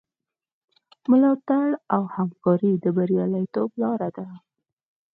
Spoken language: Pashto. ملاتړ او همکاري د بریالیتوب لاره ده.